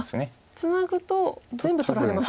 ツナぐと全部取られますか。